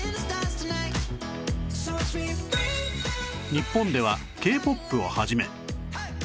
日本では Ｋ−ＰＯＰ を始め